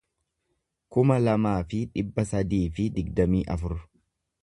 kuma lamaa fi dhibba sadii fi digdamii afur